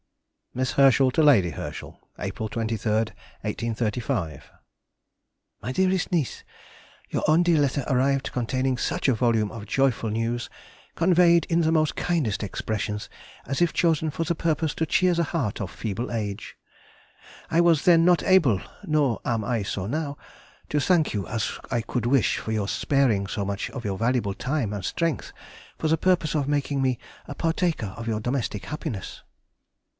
MISS HERSCHEL TO LADY HERSCHEL. April 23, 1835. MY DEAREST NIECE,— Your own dear letter arrived containing such a volume of joyful news, conveyed in the most kindest expressions, as if chosen for the purpose to cheer the heart of feeble age. I was then not able (nor am I so now) to thank you as I could wish for your sparing so much of your valuable time and strength for the purpose of making me a partaker of your domestic happiness.